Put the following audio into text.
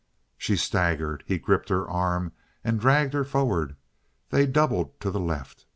She staggered. He gripped her arm, and dragged her forward. They doubled to the left.